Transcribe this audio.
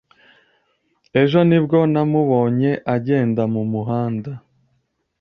Ejo nibwo namubonye agenda mumuhanda.